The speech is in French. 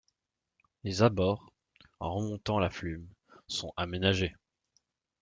Les abords, en remontant la Flume, sont aménagés.